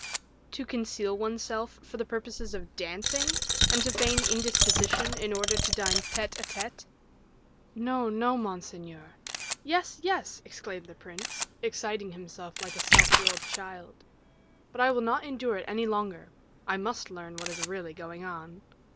"To conceal oneself for the purposes of dancing, and to feign indisposition in order to dine tete a tete." "No, no, monseigneur." "Yes, yes," exclaimed the prince, exciting himself like a self willed child; "but I will not endure it any longer, I must learn what is really going on."